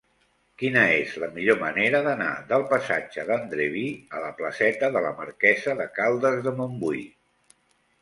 Quina és la millor manera d'anar del passatge d'Andreví a la placeta de la Marquesa de Caldes de Montbui?